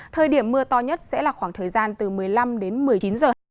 thời điểm mưa to nhất sẽ là khoảng thời gian từ một mươi năm đến một mươi chín giờ